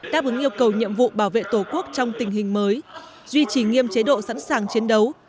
đáp ứng yêu cầu nhiệm vụ bảo vệ tổ quốc trong tình hình mới duy trì nghiêm chế độ sẵn sàng chiến đấu